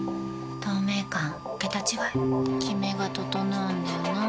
透明感桁違いキメが整うんだよな。